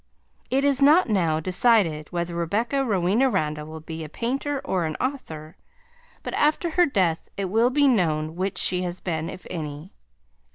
IT IS NOT NOW DECIDED WHETHER REBECCA ROWENA RANDALL WILL BE A PAINTER OR AN AUTHOR, BUT AFTER HER DEATH IT WILL BE KNOWN WHICH SHE HAS BEEN, IF ANY.